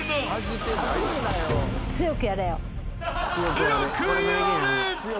［強くやれ！］